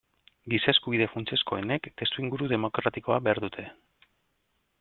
Giza-eskubide funtsezkoenek testuinguru demokratikoa behar dute.